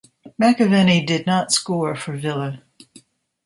McAvennie did not score for Villa.